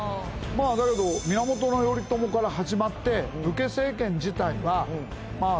まあだけど源頼朝から始まって武家政権自体はまあ